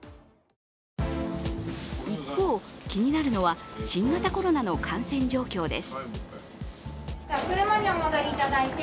一方、気になるのは新型コロナの感染状況です。